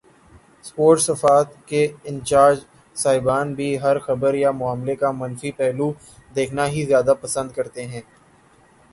Sports صفحات کے incharge صاحبان بھی ہر خبر یا معاملے کا منفی پہلو دیکھنا ہی زیادہ پسند کرتے ہیں۔